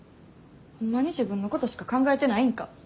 ホンマに自分のことしか考えてないんか。